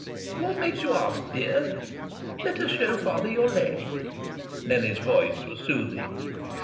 "What makes you ask, dear? Let us show father your leg." Nellie's voice was soothing.